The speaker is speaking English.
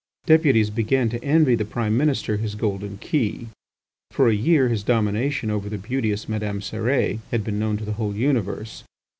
Deputies began to envy the Prime Minister his golden key. For a year his domination over the beauteous Madame Cérès had been known to the whole universe.